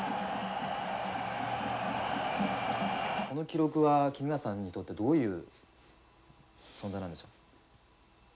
この記録は衣笠さんにとってどういう存在なんでしょう？